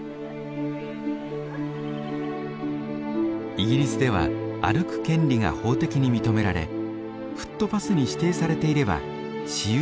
イギリスでは歩く権利が法的に認められフットパスに指定されていれば私有地でも自由に通ることができます。